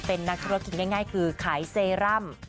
เป็นนักธุรกิจง่ายคือขายเซรั่ม